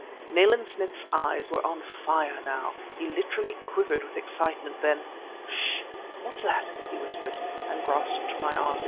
Nayland Smith's eyes were on fire now; he literally quivered with excitement, when "Ssh! what's that?" he whispered, and grasped my arm.